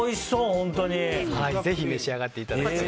ぜひ召し上がっていただいて。